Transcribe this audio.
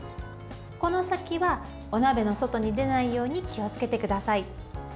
この先はお鍋の外に出ないように気をつけてください。